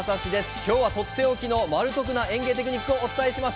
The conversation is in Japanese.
今日はとっておきのマル得の園芸テクニックをご紹介します。